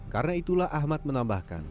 karena itulah ahmad menambahkan